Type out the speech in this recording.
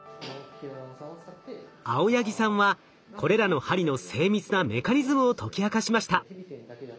青柳さんはこれらの針の精密なメカニズムを解き明かしました。